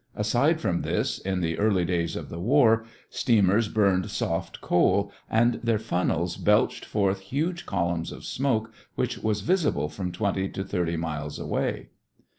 Aside from this, in the early days of the war steamers burned soft coal and their funnels belched forth huge columns of smoke which was visible from twenty to thirty miles away.